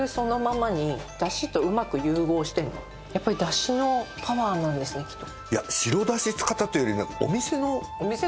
やっぱりだしのパワーなんですねきっと。